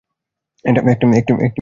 একটি বিয়ে, হ্যাঁ।